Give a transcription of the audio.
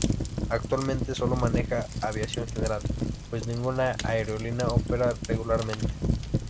Actualmente solo maneja aviación general, pues ninguna aerolínea opera regularmente.